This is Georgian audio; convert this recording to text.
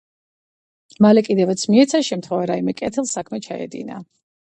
მალე კიდევაც მიეცა შემთხვევა, რაიმე კეთილი საქმე ჩაედინა.